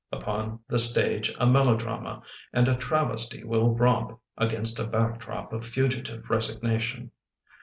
Upon the stage a melodrama And a travesty will romp Against a back drop of fugitive resignation.